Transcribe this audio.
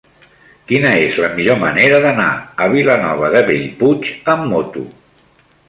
Quina és la millor manera d'anar a Vilanova de Bellpuig amb moto?